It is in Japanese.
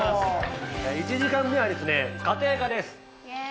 １時間目はですね家庭科です。